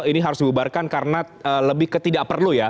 ini harus dibubarkan karena lebih ketidak perlu ya